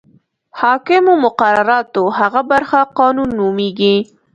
حاکمو مقرراتو هغه برخه قانون نومیږي.